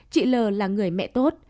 chị l là người mẹ tốt